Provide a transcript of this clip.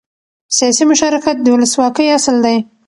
سیاسي مشارکت د ولسواکۍ اصل دی